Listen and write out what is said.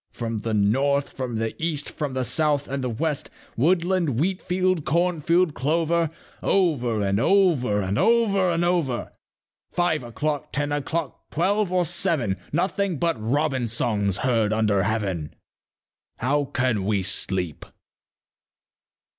"From the north, from the east, from the south and the west, Woodland, wheat field, corn field, clover, Over and over and over and over, Five o'clock, ten o'clock, twelve or seven, Nothing but robin songs heard under heaven: How can we sleep?"